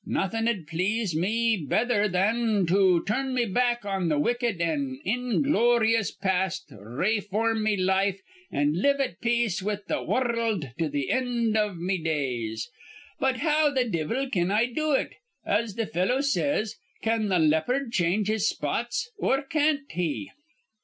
Nawthin'd please me betther thin to turn me back on th' wicked an' ingloryous past, rayform me life, an' live at peace with th' wurruld to th' end iv me days. But how th' divvle can I do it? As th' fellow says, 'Can th' leopard change his spots,' or can't he?